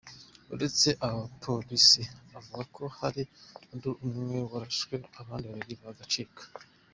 Uretse abo, Polisi ivuga ko hari undi umwe warashwe abandi babiri bagacika.